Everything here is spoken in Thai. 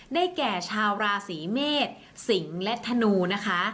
แก่ชาวราศีเมษสิงห์และธนูนะคะ